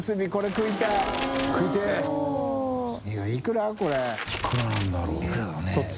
いくらだろうね？